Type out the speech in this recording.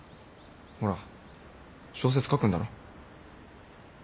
ほら小説書くんだろ？